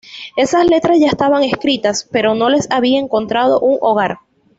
Esas letras ya estaban escritas, pero no les había encontrado un hogar.